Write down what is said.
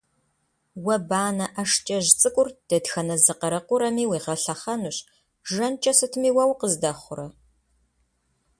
Уэ банэ ӀэшкӀэжь цӀыкӀур дэтхэнэ зы къарэкъурэми уилъэхъэнущ, жэнкӀэ сытми уэ укъыздэхъурэ!